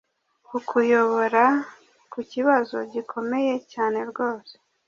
Kukuyobora kukibazo gikomeye cyane rwose